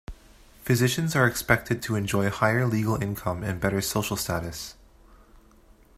Physicians are expected to enjoy higher legal income and better social status.